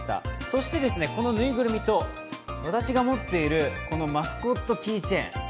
そして、このぬいぐるみと私が持っているマスコットキーチェーン。